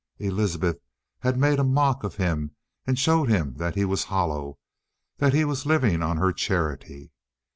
Elizabeth had made a mock of him and shown him that he was hollow, that he was living on her charity.